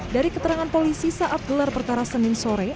dari keterangan polisi saat gelar perkara senin sore